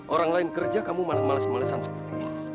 orang lain kerja kamu malas malasan seperti ini